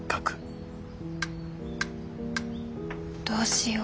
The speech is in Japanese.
どうしよう。